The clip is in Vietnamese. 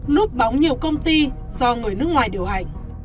núp bóng nhiều công ty do người nước ngoài điều hành